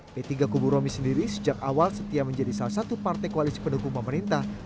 p tiga kubu romi sendiri sejak awal setia menjadi salah satu partai koalisi pendukung pemerintah